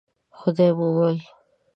خدای مو مل.